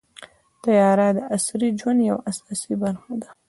طیاره د عصري ژوند یوه اساسي برخه ده.